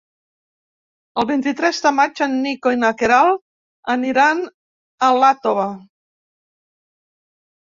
El vint-i-tres de maig en Nico i na Queralt aniran a Iàtova.